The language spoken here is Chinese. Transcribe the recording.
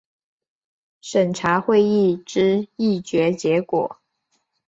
审查会议之议决结果